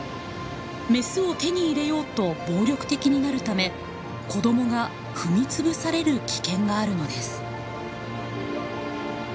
メスを手に入れようと暴力的になるため子どもが踏み潰される危険があるのです。